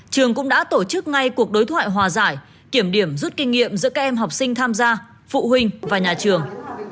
trường cũng đã tổ chức ngay cuộc đối thoại hòa giải kiểm điểm rút kinh nghiệm giữa các em học sinh tham gia phụ huynh và nhà trường